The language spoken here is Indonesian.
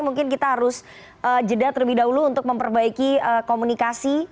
mungkin kita harus jeda terlebih dahulu untuk memperbaiki komunikasi